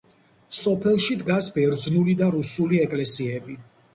სოფელში დგას ბერძნული და რუსული ეკლესიები.